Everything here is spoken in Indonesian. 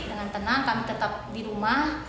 dengan tenang kami tetap di rumah